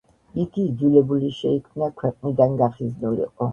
იგი იძულებული შეიქნა ქვეყნიდან გახიზნულიყო.